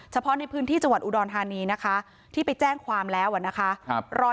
เฉพาะในพื้นที่จังหวัดอุดรธานีนะคะที่ไปแจ้งความแล้วนะคะ